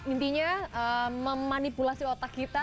intinya memanipulasi otak kita